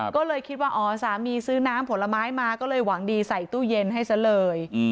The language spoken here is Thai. ก็เลยคิดว่าอ๋อสามีซื้อน้ำผลไม้มาก็เลยหวังดีใส่ตู้เย็นให้ซะเลย